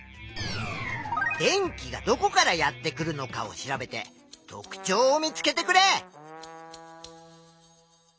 電気がどこからやってくるのかを調べて特ちょうを見つけてくれ！